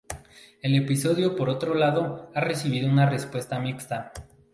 El episodio, por otro lado, ha recibido una respuesta mixta.